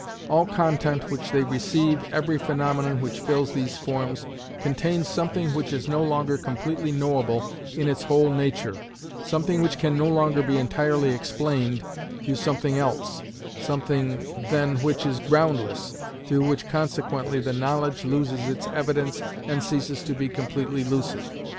All content which they receive, every phenomenon which fills these forms, contains something which is no longer completely knowable in its whole nature, something which can no longer be entirely explained through something else, something then which is groundless, through which consequently the knowledge loses its evidence and ceases to be completely lucid.